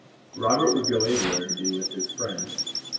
Robert would go anywhere to be with his friend.